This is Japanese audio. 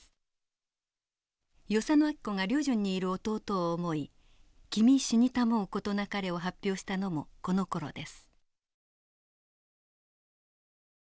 与謝野晶子が旅順にいる弟を思い「君死にたまふことなかれ」を発表したのもこのころです。